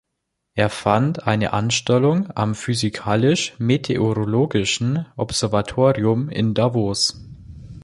Er fand eine Anstellung am Physikalisch-Meteorologischen Observatorium in Davos.